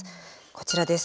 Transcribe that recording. こちらです。